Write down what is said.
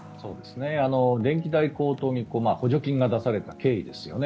電気代高騰に補助金が出された経緯ですよね。